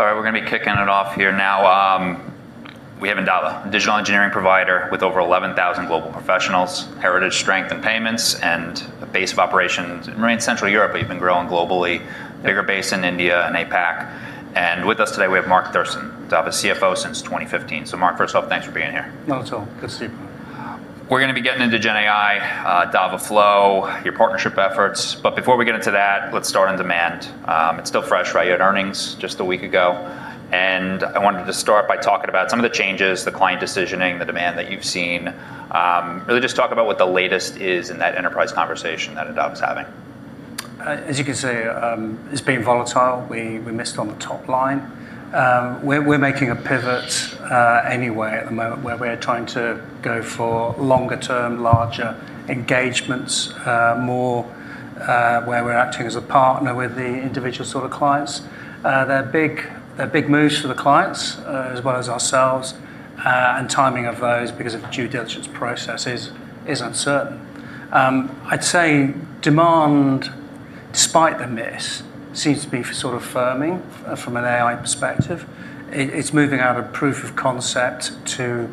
All right, we're going to be kicking it off here now. We have Endava, a digital engineering provider with over 11,000 global professionals, heritage strength in payments, and a base of operations remains Central Europe, but you've been growing globally, bigger base in India and APAC. With us today, we have Mark Thurston, Endava CFO since 2015. Mark, first off, thanks for being here. Not at all. Good to see you. We're going to be getting into GenAI, Dava.Flow, your partnership efforts. Before we get into that, let's start on demand. It's still fresh. You had earnings just a week ago. I wanted to start by talking about some of the changes, the client decisioning, the demand that you've seen. Really just talk about what the latest is in that enterprise conversation that Endava's having. As you can see, it's been volatile. We missed on the top line. We're making a pivot anyway at the moment, where we're trying to go for longer-term, larger engagements, more where we're acting as a partner with the individual sort of clients. They're big moves for the clients as well as ourselves, and timing of those because of due diligence processes is uncertain. I'd say demand, despite the miss, seems to be firming from an AI perspective. It's moving out of proof of concept to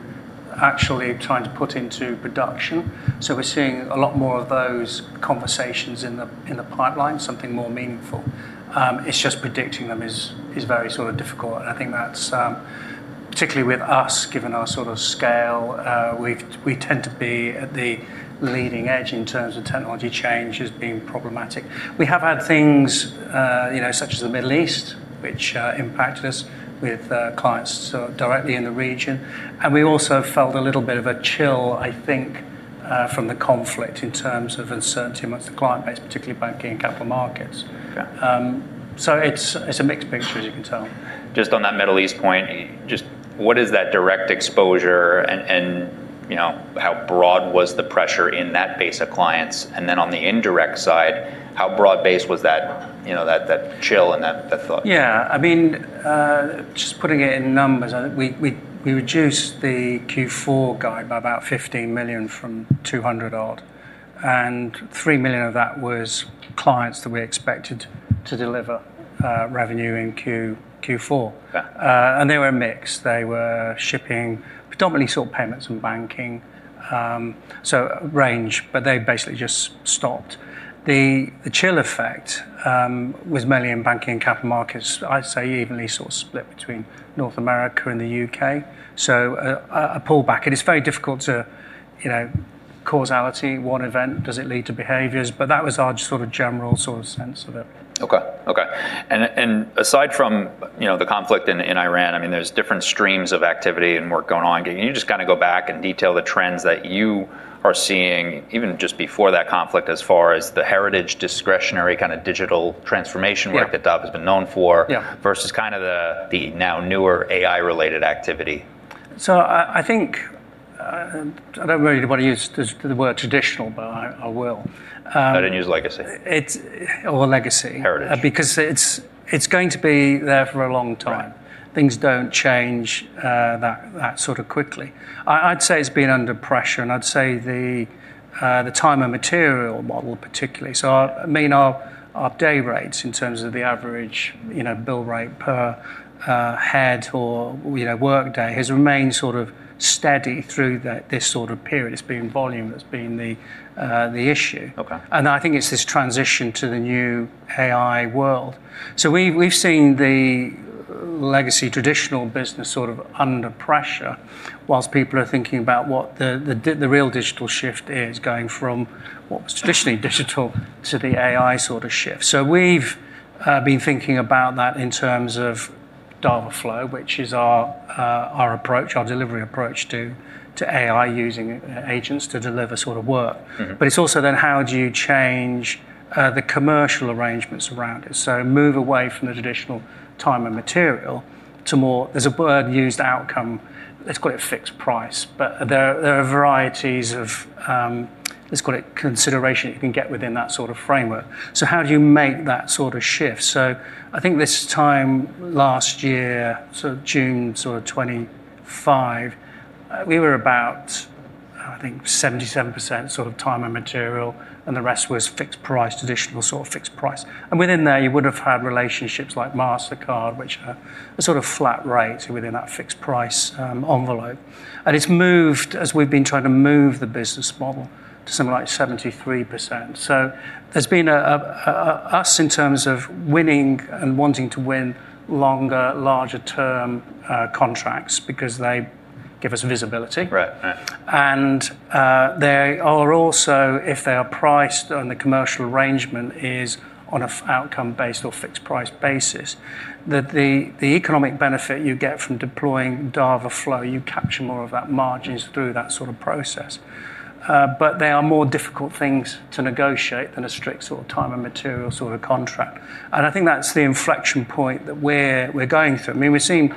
actually trying to put into production. We're seeing a lot more of those conversations in the pipeline, something more meaningful. It's just predicting them is very difficult, and I think that's, particularly with us, given our sort of scale, we tend to be at the leading edge in terms of technology change as being problematic. We have had things such as the Middle East, which impacted us with clients directly in the region. We also felt a little bit of a chill, I think, from the conflict in terms of uncertainty amongst the client base, particularly banking and capital markets. Okay. It's a mixed picture, as you can tell. Just on that Middle East point, just what is that direct exposure and how broad was the pressure in that base of clients? On the indirect side, how broad-based was that chill and that thought? Yeah. Just putting it in numbers, I think we reduced the Q4 guide by about 15 million from 200 million odd, and 3 million of that was clients that we expected to deliver revenue in Q4. Okay. They were mixed. They were shipping predominantly sort of payments and banking, so a range, but they basically just stopped. The chill effect was mainly in banking and capital markets, I'd say evenly sort of split between North America and the U.K. A pullback. It's very difficult to, causality, what event does it lead to behaviors? That was our sort of general sense of it. Okay. Aside from the conflict in Iran, there's different streams of activity and work going on. Can you just kind of go back and detail the trends that you are seeing, even just before that conflict, as far as the heritage discretionary kind of digital transformation work that Endava's been known for? Yeah versus kind of the now newer AI-related activity? I think, I don't really want to use the word traditional, but I will. I'd use legacy. Legacy. Heritage. It's going to be there for a long time. Right. Things don't change that sort of quickly. I'd say it's been under pressure, and I'd say the time and material model particularly. Our day rates in terms of the average bill rate per head or work day has remained sort of steady through this sort of period. It's been volume that's been the issue. Okay. I think it's this transition to the new AI world. We've seen the legacy traditional business sort of under pressure while people are thinking about what the real digital shift is, going from what was traditionally digital to the AI sort of shift. We've been thinking about that in terms of Dava.Flow, which is our approach, our delivery approach to AI using agents to deliver sort of work. It's also then how do you change the commercial arrangements around it? Move away from the traditional time and material to more, there's a word used, outcome. Let's call it fixed price. There are varieties of, let's call it consideration you can get within that sort of framework. How do you make that sort of shift? I think this time last year, sort of June 2025, we were about, I think, 77% sort of time and material, and the rest was fixed price, traditional sort of fixed price. Within there, you would've had relationships like Mastercard, which are a sort of flat rate within that fixed price envelope. It's moved as we've been trying to move the business model to something like 73%. There's been us in terms of winning and wanting to win longer, larger term contracts because they give us visibility. Right. They are also, if they are priced and the commercial arrangement is on an outcome-based or fixed price basis, that the economic benefit you get from deploying Dava.Flow, you capture more of that margins through that sort of process. They are more difficult things to negotiate than a strict sort of time and material sort of contract. I think that's the inflection point that we're going through. We're seeing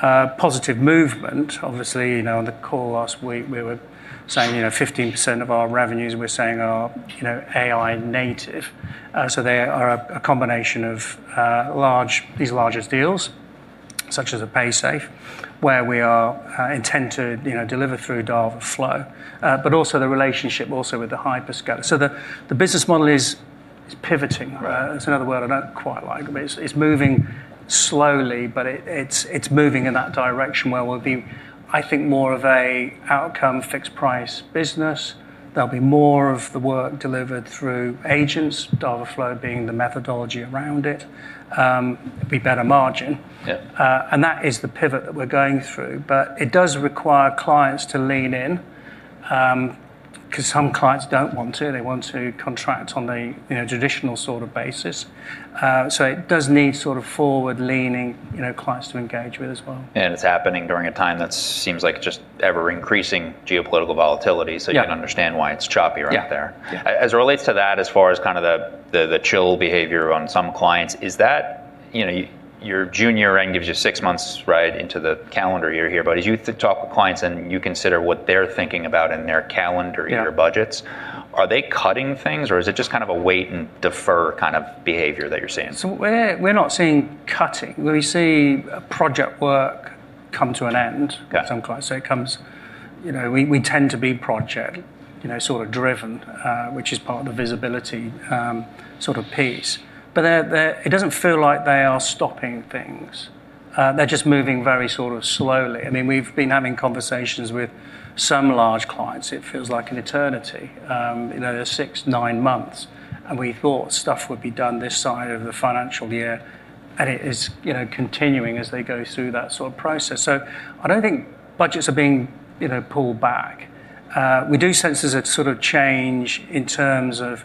positive movement. Obviously, on the call last week, we were saying 15% of our revenues we're saying are AI native. They are a combination of these largest deals, such as a Paysafe, where we intend to deliver through Dava.Flow. Also the relationship also with the hyperscale. The business model It's pivoting. It's another word I don't quite like, but it's moving slowly, but it's moving in that direction where we'll be, I think, more of an outcome fixed price business. There'll be more of the work delivered through agents, Dava.Flow being the methodology around it. It'd be better margin. Yeah. That is the pivot that we're going through. It does require clients to lean in, because some clients don't want to. They want to contract on the traditional sort of basis. It does need forward-leaning clients to engage with as well. It's happening during a time that seems like just ever-increasing geopolitical volatility. You can understand why it's choppy right there. Yeah. As it relates to that, as far as the chill behavior on some clients, your June year-end gives you six months right into the calendar year here. As you talk with clients and you consider what they're thinking about in their calendar year budgets. Yeah Are they cutting things or is it just kind of a wait and defer kind of behavior that you're seeing? We're not seeing cutting. We see project work come to an end with some clients. Got it. We tend to be project sort of driven, which is part of the visibility sort of piece. It doesn't feel like they are stopping things. They're just moving very sort of slowly. We've been having conversations with some large clients, it feels like an eternity. Six, nine months, we thought stuff would be done this side of the financial year, and it is continuing as they go through that sort of process. I don't think budgets are being pulled back. We do sense there's a sort of change in terms of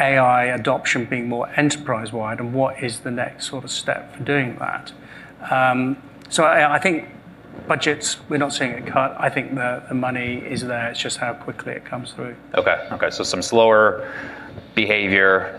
AI adoption being more enterprise-wide, what is the next sort of step for doing that. I think budgets, we're not seeing a cut. I think the money is there, it's just how quickly it comes through. Some slower behavior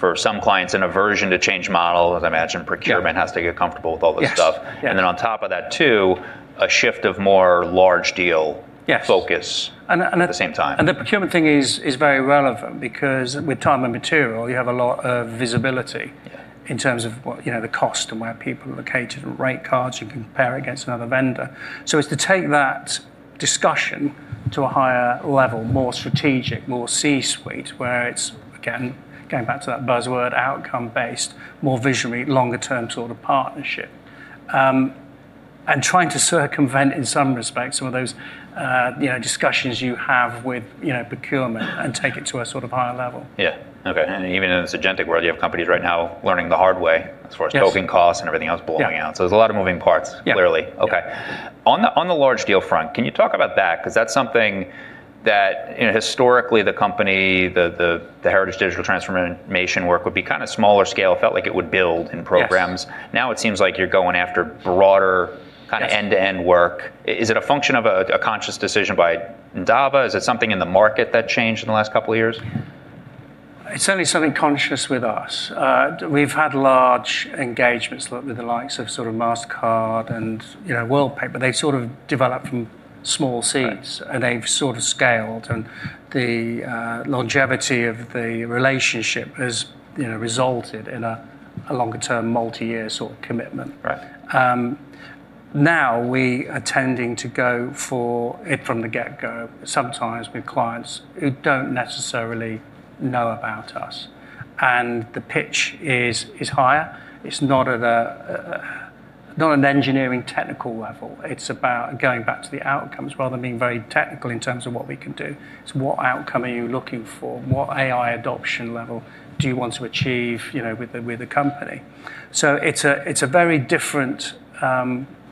for some clients, an aversion to change model, as I imagine procurement has to get comfortable with all this stuff. Yes. Yeah. On top of that too, a shift of more large deal-. Yes focus at the same time. The procurement thing is very relevant because with time and material, you have a lot of visibility. Yeah in terms of the cost and where people are located, and rate cards, you can compare against another vendor. It's to take that discussion to a higher level, more strategic, more C-suite, where it's, again, going back to that buzzword, outcome-based, more visionary, longer term sort of partnership. Trying to circumvent, in some respects, some of those discussions you have with procurement and take it to a sort of higher level. Yeah. Okay. Even in the agentic world, you have companies right now learning the hard way as far as- Yes scoping costs and everything else blowing out. Yeah. There's a lot of moving parts, clearly. Yeah. Okay. On the large deal front, can you talk about that? That's something that historically the company, the heritage digital transformation work would be kind of smaller scale, felt like it would build in programs. Yes. it seems like you're going after broader- Yes end-to-end work. Is it a function of a conscious decision by Endava? Is it something in the market that changed in the last couple of years? It's certainly something conscious with us. We've had large engagements with the likes of Mastercard and Worldpay. They've sort of developed from small seeds. Right They've sort of scaled, and the longevity of the relationship has resulted in a longer term, multi-year sort of commitment. Right. Now we are tending to go for it from the get-go, sometimes with clients who don't necessarily know about us. The pitch is higher. It's not an engineering technical level. It's about going back to the outcomes rather than being very technical in terms of what we can do. It's what outcome are you looking for? What AI adoption level do you want to achieve with the company? It's a very different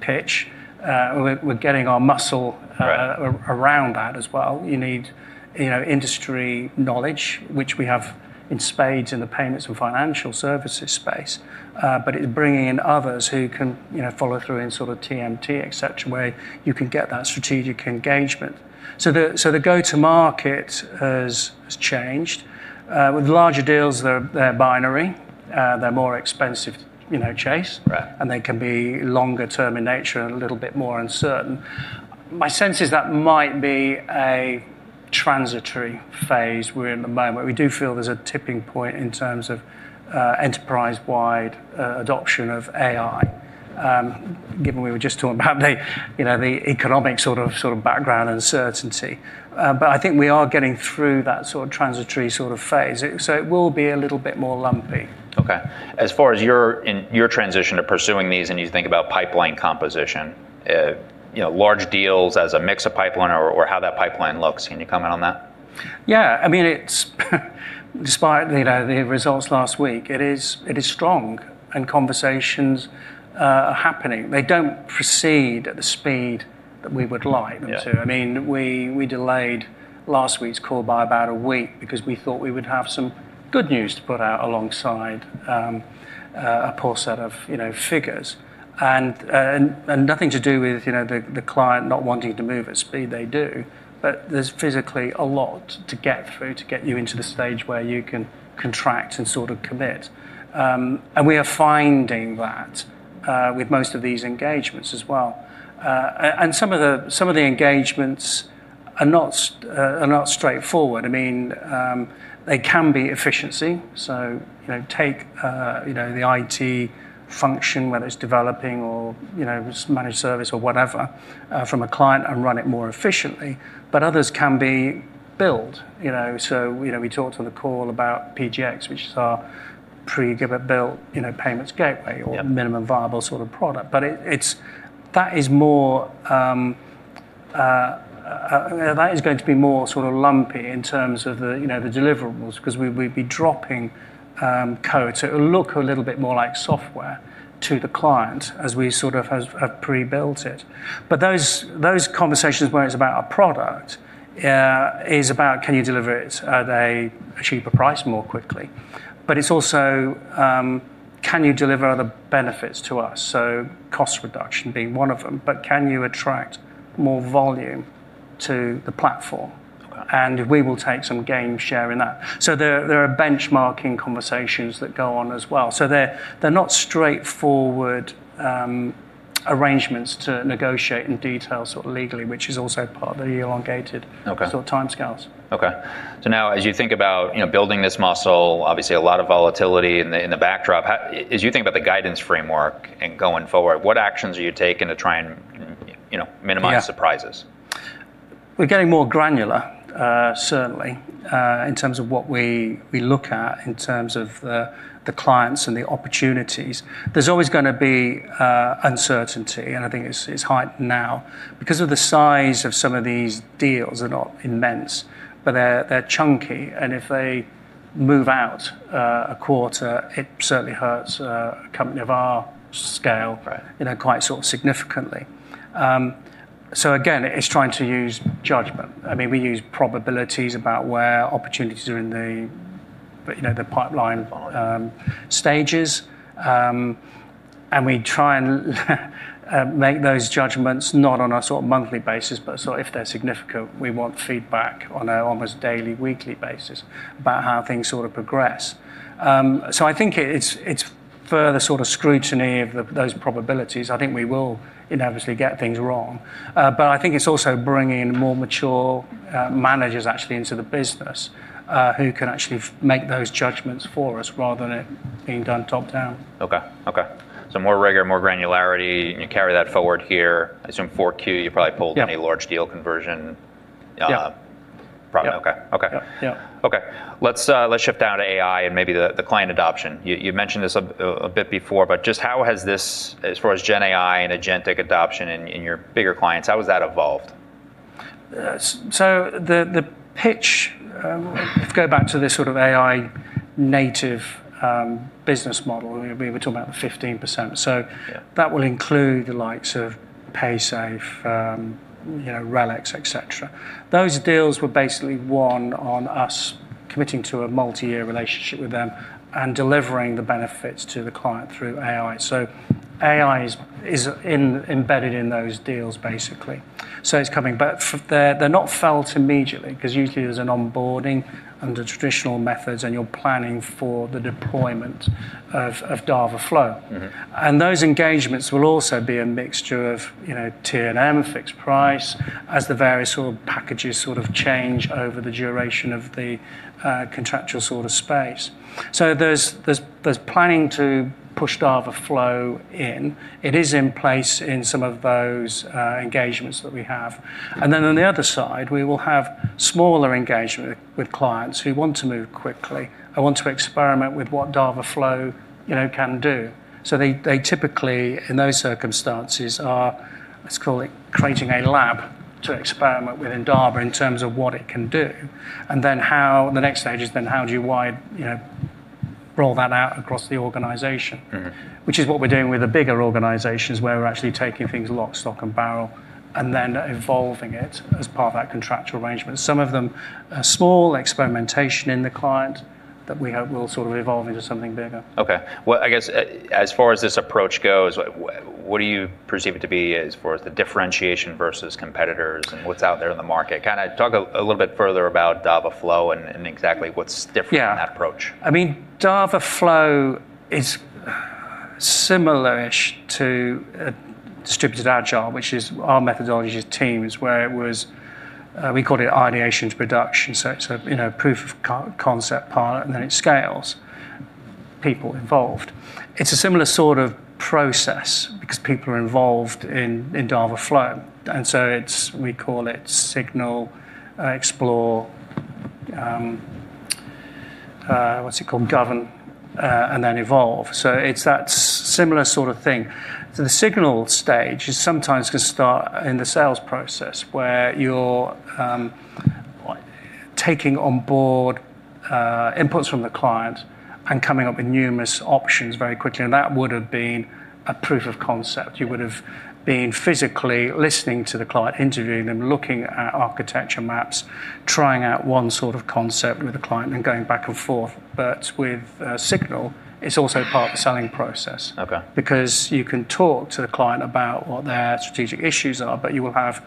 pitch. Right We're getting our muscle around that as well. You need industry knowledge, which we have in spades in the payments and financial services space. It's bringing in others who can follow through in sort of TMT, et cetera, where you can get that strategic engagement. The go-to market has changed. With larger deals, they're binary. They're a more expensive chase. Right. They can be longer term in nature and a little bit more uncertain. My sense is that might be a transitory phase we're in at the moment. We do feel there's a tipping point in terms of enterprise-wide adoption of AI, given we were just talking about the economic sort of background uncertainty. I think we are getting through that sort of transitory phase. It will be a little bit more lumpy. Okay. As far as in your transition to pursuing these and you think about pipeline composition, large deals as a mix of pipeline or how that pipeline looks. Can you comment on that? Yeah. Despite the results last week, it is strong and conversations are happening. They don't proceed at the speed that we would like them to. Yeah. We delayed last week's call by about a week because we thought we would have some good news to put out alongside a poor set of figures. Nothing to do with the client not wanting to move at speed. They do. There's physically a lot to get through to get you into the stage where you can contract and sort of commit. We are finding that with most of these engagements as well. Some of the engagements are not straightforward. They can be efficiency. Take the IT function, whether it's developing or managed service or whatever, from a client and run it more efficiently. Others can be build. We talked on the call about PGx, which is our pre-built payments gateway- Yeah or minimum viable sort of product. That is going to be more sort of lumpy in terms of the deliverables, because we'd be dropping code. It'll look a little bit more like software to the client as we sort of have pre-built it. Those conversations where it's about our product, is about can you deliver it at a cheaper price more quickly? It's also, can you deliver other benefits to us? Cost reduction being one of them, but can you attract more volume to the platform? Okay. We will take some gain share in that. There are benchmarking conversations that go on as well. They are not straightforward arrangements to negotiate in detail legally, which is also part of the elongated- Okay sort of timescales. Okay. Now as you think about building this muscle, obviously a lot of volatility in the backdrop. As you think about the guidance framework and going forward, what actions are you taking to try and minimize surprises? We're getting more granular, certainly, in terms of what we look at in terms of the clients and the opportunities. There's always going to be uncertainty, and I think it's heightened now. Because of the size of some of these deals, they're not immense, but they're chunky. If they move out a quarter, it certainly hurts a company of our scale- Right quite sort of significantly. Again, it's trying to use judgment. We use probabilities about where opportunities are in the pipeline stages. We try and make those judgments not on a monthly basis, but if they're significant, we want feedback on a almost daily, weekly basis about how things progress. I think it's further scrutiny of those probabilities. I think we will inevitably get things wrong. I think it's also bringing in more mature managers actually into the business, who can actually make those judgments for us rather than it being done top-down. Okay. more rigor, more granularity, and you carry that forward here. I assume 4Q- Yeah any large deal conversion. Yeah Probably. Okay. Yeah. Okay. Let's shift down to AI and maybe the client adoption. You mentioned this a bit before, but just how has this, as far as GenAI and agentic adoption in your bigger clients, how has that evolved? The pitch, if we go back to this sort of AI native business model, we were talking about the 15%. Yeah that will include the likes of Paysafe, RELX, et cetera. Those deals were basically won on us committing to a multi-year relationship with them and delivering the benefits to the client through AI. AI is embedded in those deals, basically. It's coming, but they're not felt immediately because usually there's an onboarding under traditional methods, and you're planning for the deployment of Dava.Flow. Those engagements will also be a mixture of T&M, fixed price, as the various packages change over the duration of the contractual space. There's planning to push Dava.Flow in. It is in place in some of those engagements that we have. On the other side, we will have smaller engagement with clients who want to move quickly and want to experiment with what Dava.Flow can do. They typically, in those circumstances, are, let's call it creating a lab to experiment with Endava in terms of what it can do. The next stage is then how do you roll that out across the organization. Which is what we're doing with the bigger organizations, where we're actually taking things lock, stock, and barrel, and then evolving it as part of that contractual arrangement. Some of them are small experimentation in the client that we hope will evolve into something bigger. Okay. Well, I guess as far as this approach goes, what do you perceive it to be as far as the differentiation versus competitors and what's out there in the market? Talk a little bit further about Dava.Flow and exactly what's different. Yeah in that approach. Dava.Flow is similar-ish to distributed agile, which is our methodology as a team is where it was, we called it ideation to production. It's a proof of concept pilot, and then it scales people involved. It's a similar sort of process because people are involved in Dava.Flow. We call it Signal, Explore, what's it called? Govern, and then Evolve. It's that similar sort of thing. The Signal stage is sometimes can start in the sales process, where you're taking on board inputs from the client and coming up with numerous options very quickly, and that would've been a proof of concept. You would've been physically listening to the client, interviewing them, looking at architecture maps, trying out one sort of concept with the client, and then going back and forth. With Signal, it's also part of the selling process. Okay. You can talk to the client about what their strategic issues are, but you will have,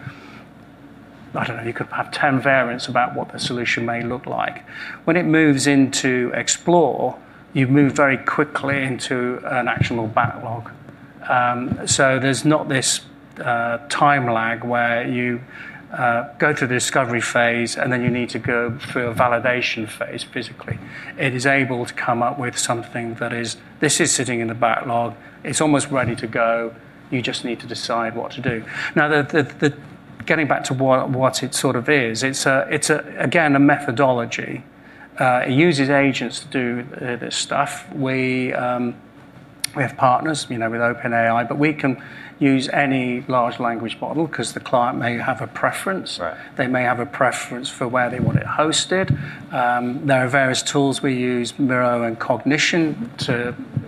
I don't know, you could have 10 variants about what the solution may look like. When it moves into Explore, you move very quickly into an actionable backlog. There's not this time lag where you go through the discovery phase, and then you need to go through a validation phase physically. It is able to come up with something that is sitting in the backlog. It's almost ready to go. You just need to decide what to do. Getting back to what it sort of is, it's again, a methodology. It uses agents to do this stuff. We have partners with OpenAI, we can use any large language model because the client may have a preference. Right. They may have a preference for where they want it hosted. There are various tools we use, Miro and Cognition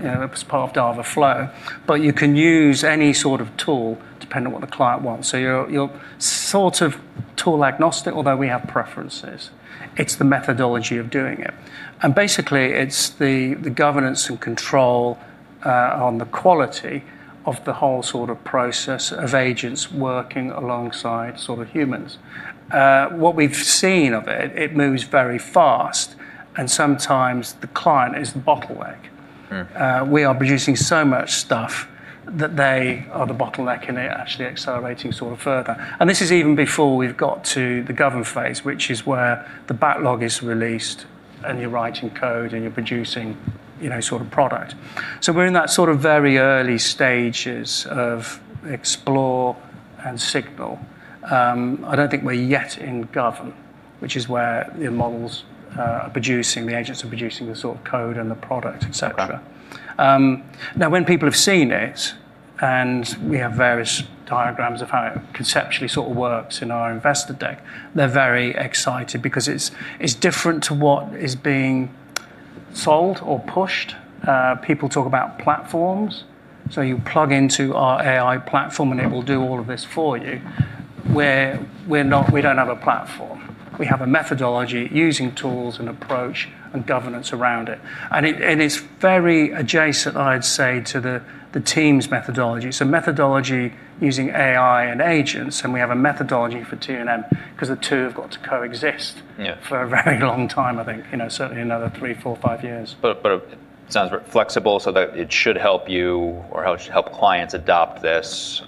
as part of Dava.Flow, you can use any sort of tool depending on what the client wants. You're sort of tool-agnostic, although we have preferences. It's the methodology of doing it, and basically, it's the governance and control on the quality of the whole process of agents working alongside humans. What we've seen of it moves very fast, and sometimes the client is the bottleneck. We are producing so much stuff that they are the bottleneck in it actually accelerating further. This is even before we've got to the Govern phase, which is where the backlog is released, and you're writing code and you're producing product. We're in that very early stages of Explore and Signal. I don't think we're yet in Govern, which is where the models are producing, the agents are producing the code and the product, et cetera. Okay. Now when people have seen it, and we have various diagrams of how it conceptually sort of works in our investor deck. They are very excited because it is different to what is being sold or pushed. People talk about platforms, so you plug into our AI platform, and it will do all of this for you. Where we do not have a platform. We have a methodology using tools and approach and governance around it. It is very adjacent, I would say, to the teams methodology. Methodology using AI and agents, and we have a methodology for T&M because the two have got to coexist- Yeah for a very long time, I think, certainly another three, four, five years. It sounds flexible, so that it should help you or help clients adopt this.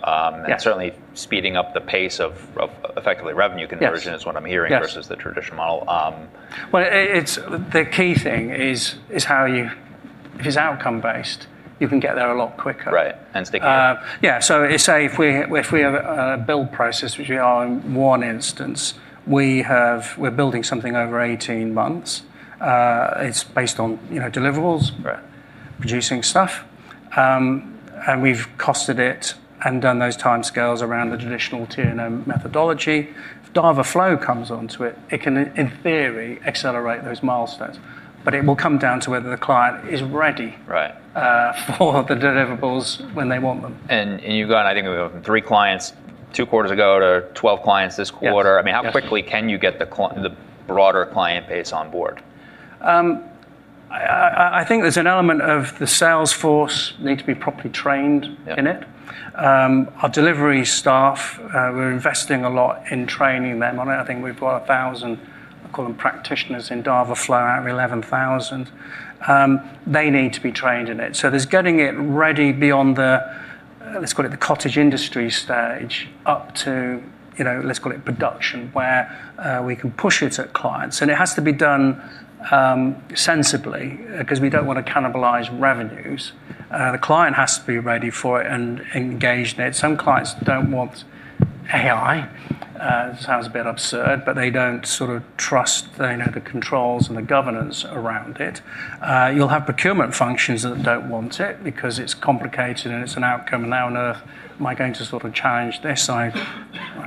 Yes Certainly speeding up the pace of effectively revenue conversion. Yes is what I'm hearing. Yes versus the traditional model. Well, the key thing is how if it's outcome-based, you can get there a lot quicker. Right, and stickier. Yeah. Say if we have a build process, which we are in one instance, we're building something over 18 months. It's based on deliverables. Right Producing stuff. We've costed it and done those timescales around the traditional T&M methodology. If Dava.Flow comes onto it can, in theory, accelerate those milestones. It will come down to whether the client is ready. Right for the deliverables when they want them. You've gone, I think, three clients two quarters ago to 12 clients this quarter. Yes. How quickly can you get the broader client base on board? I think there's an element of the sales force needs to be properly trained in it. Yep. Our delivery staff, we're investing a lot in training them on it. I think we've got 1,000, I call them practitioners in Dava.Flow out of 11,000. They need to be trained in it. There's getting it ready beyond the, let's call it the cottage industry stage, up to let's call it production, where we can push it at clients. It has to be done sensibly because we don't want to cannibalize revenues. The client has to be ready for it and engaged in it. Some clients don't want AI. Sounds a bit absurd, but they don't sort of trust the controls and the governance around it. You'll have procurement functions that don't want it because it's complicated, and it's an outcome, and now on earth am I going to sort of change this? I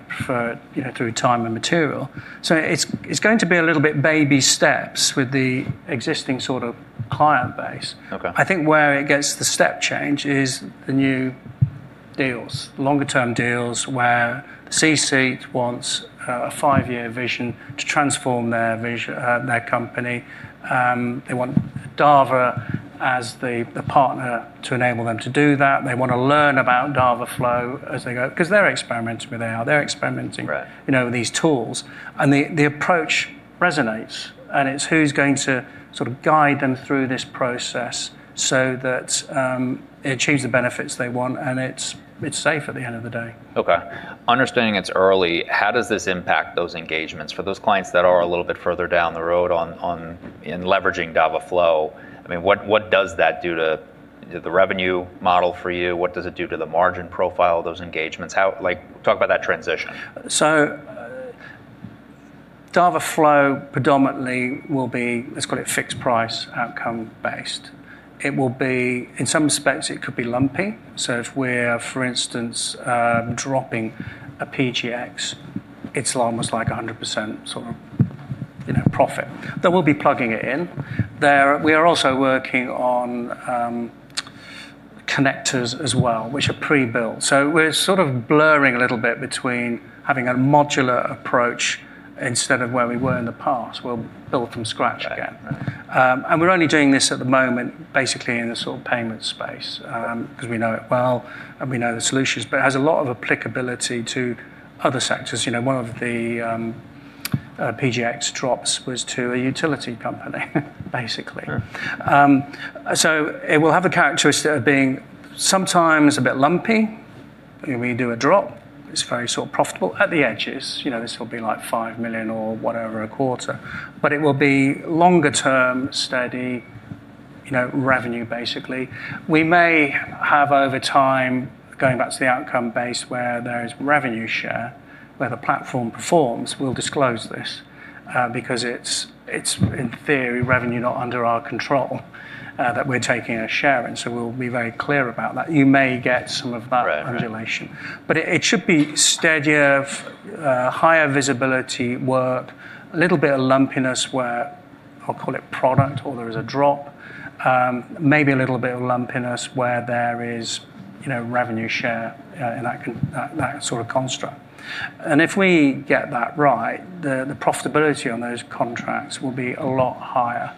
prefer through time and material. It's going to be a little bit baby steps with the existing sort of client base. Okay. I think where it gets the step change is the new deals, longer-term deals, where the C-suite wants a five-year vision to transform their company. They want Endava as the partner to enable them to do that. They want to learn about Dava.Flow as they go because they're experimenting- Right with these tools, and the approach resonates, and it's who's going to sort of guide them through this process so that it achieves the benefits they want and it's safe at the end of the day. Understanding it's early, how does this impact those engagements? For those clients that are a little bit further down the road in leveraging Dava.Flow, what does that do to the revenue model for you? What does it do to the margin profile of those engagements? Talk about that transition. Dava.Flow predominantly will be, let's call it fixed price outcome-based. In some respects, it could be lumpy. If we're, for instance, dropping a PGx, it's almost like 100% profit, but we'll be plugging it in. We are also working on connectors as well, which are pre-built. We're sort of blurring a little bit between having a modular approach instead of where we were in the past. We'll build from scratch again. Okay. We're only doing this at the moment, basically in the sort of payment space, because we know it well and we know the solutions, but it has a lot of applicability to other sectors. One of the PGx drops was to a utility company, basically. Sure. It will have a characteristic of being sometimes a bit lumpy. We do a drop, it's very profitable at the edges. This will be like 5 million or whatever a quarter, but it will be longer term, steady revenue, basically. We may have, over time, going back to the outcome-based where there is revenue share, where the platform performs, we'll disclose this because it's, in theory, revenue not under our control that we're taking a share in. We'll be very clear about that. You may get some of that- Right regulation. It should be steadier, higher visibility work, a little bit of lumpiness where, I'll call it product or there is a drop. Maybe a little bit of lumpiness where there is revenue share in that sort of construct. If we get that right, the profitability on those contracts will be a lot higher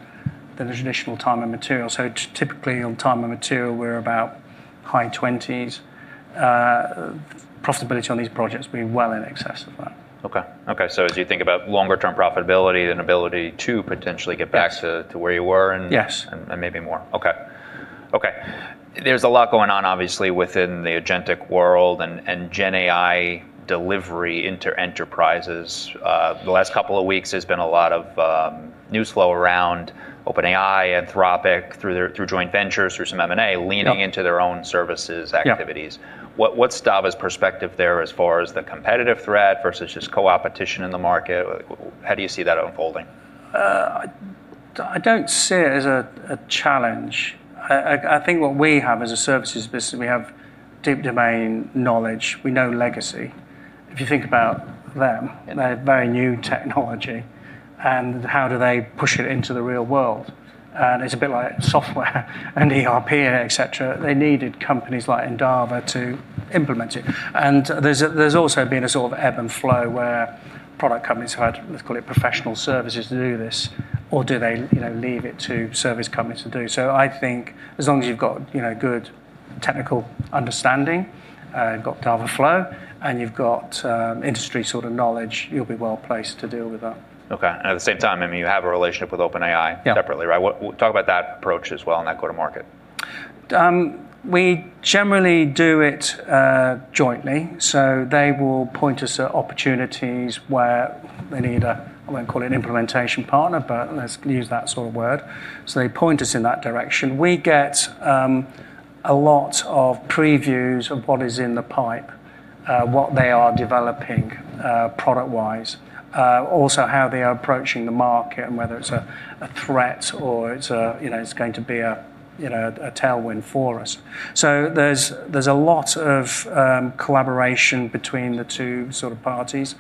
than the traditional time and material. Typically, on time and material, we're about high 20s. Profitability on these projects will be well in excess of that. Okay. as you think about longer term profitability and ability to potentially get back- Yes to where you were. Yes Maybe more. Okay. There's a lot going on, obviously, within the agentic world and GenAI delivery into enterprises. The last couple of weeks, there's been a lot of news flow around OpenAI, Anthropic, through joint ventures, through some M&A- Yep leaning into their own services activities. Yeah. What's Endava's perspective there as far as the competitive threat versus just co-opetition in the market? How do you see that unfolding? I don't see it as a challenge. I think what we have as a services business, we have deep domain knowledge. We know legacy. If you think about them, they're a very new technology and how do they push it into the real world? It's a bit like software and ERP, et cetera. They needed companies like Endava to implement it. There's also been a sort of ebb and flow where product companies have had, let's call it professional services, to do this, or do they leave it to service companies to do? I think as long as you've got good technical understanding, you've got Dava.Flow, and you've got industry sort of knowledge, you'll be well-placed to deal with that. Okay. At the same time, you have a relationship with OpenAI? Yeah Separately, right? Talk about that approach as well and that go to market. We generally do it jointly. They will point us at opportunities where they need a, I won't call it an implementation partner, but let's use that sort of word. They point us in that direction. We get a lot of previews of what is in the pipe, what they are developing product-wise. Also, how they are approaching the market and whether it's a threat or it's going to be a tailwind for us. There's a lot of collaboration between the two sort of parties.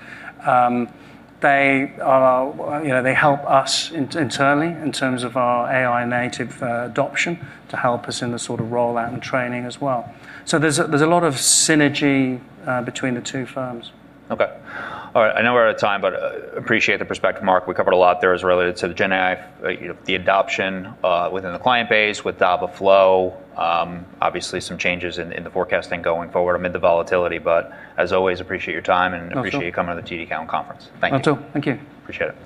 They help us internally in terms of our AI native adpption to help us in the sort of rollout and training as well. There's a lot of synergy between the two firms. Okay. All right. I know we're out of time. Appreciate the perspective, Mark. We covered a lot there as related to the GenAI, the adoption within the client base with Dava.Flow. Obviously, some changes in the forecasting going forward amid the volatility. As always, appreciate your time- No sure. appreciate you coming to the TD Cowen Conference. Thank ypu. Not at all. Thank you. Appreciate it.